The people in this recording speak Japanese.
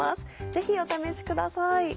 ぜひお試しください。